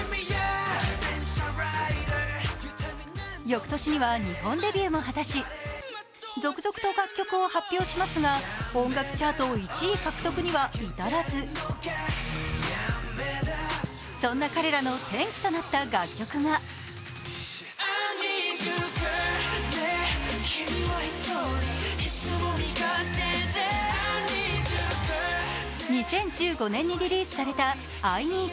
翌年には日本デビューも果たし続々と楽曲を発表しますが音楽チャート１位獲得には至らずそんな彼らの転機となった楽曲が２０１５年にリリースされた「ＩＮＥＥＤＵ」。